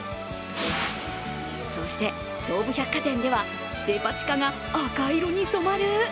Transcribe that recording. そして東武百貨店ではデパ地下が赤色に染まる？